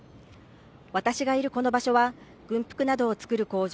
私がいるこの場所は軍服などを作る工場